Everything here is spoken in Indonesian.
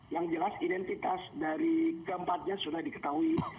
yang jelas identitas dari keempatnya sudah diketahui